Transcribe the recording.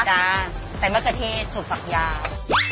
จ๊ะใส่มะเขือเทศถั่วฝักยาว